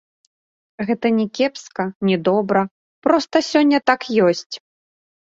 Гэта не кепска, не добра, проста сёння так ёсць.